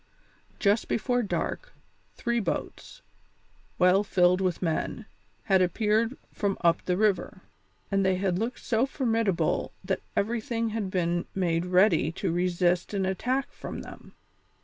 Just before dark, three boats, well filled with men, had appeared from up the river, and they had looked so formidable that everything had been made ready to resist an attack from them.